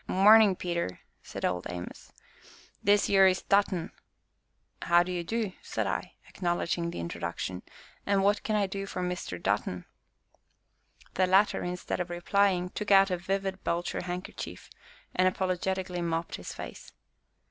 "Marnin', Peter!" said Old Amos, "this yere is Dutton." "How do you do?" said I, acknowledging the introduction, "and what can I do for Mr. Dutton?" The latter, instead of replying, took out a vivid belcher handkerchief, and apologetically mopped his face.